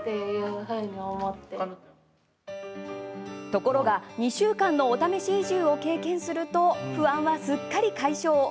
ところが、２週間のお試し移住を経験すると不安はすっかり解消。